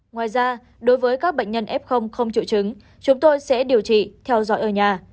ngoài ra đối với các bệnh nhân f không triệu chứng chúng tôi sẽ điều trị theo dõi ở nhà